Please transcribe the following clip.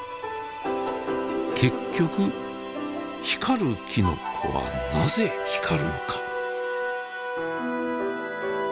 結局光るきのこはなぜ光るのか。